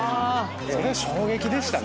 それ衝撃でしたね。